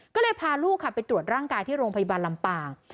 ก็เลยพาลูกค่ะไปตรวจร่างกายที่โรงพยาบาลลำปาง